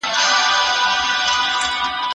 آیا ټول پښتانه د پښتو په اهمیت پوهېږي؟